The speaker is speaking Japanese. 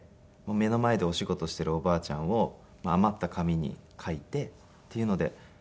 目の前でお仕事をしているおばあちゃんを余った紙に描いてっていうのでそこから好きになりましたね。